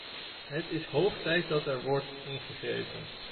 Het is hoog tijd dat er wordt ingegrepen.